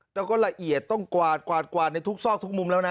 แต่ก็ละเอียดต้องกวาดกวาดในทุกซอกทุกมุมแล้วนะ